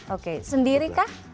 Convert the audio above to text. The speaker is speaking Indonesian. oke sendiri kah